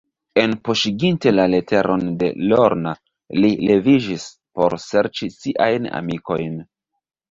Enpoŝiginte la leteron de Lorna, li leviĝis, por serĉi siajn amikojn.